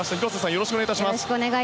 よろしくお願いします。